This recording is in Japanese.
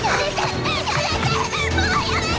もうやめて！！